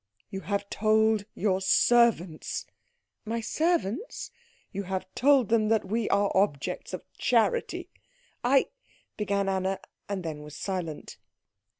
"You have told your servants " "My servants?" "You have told them that we are objects of charity " "I " began Anna, and then was silent.